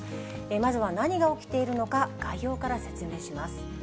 まずは何が起きているのか、概要から説明します。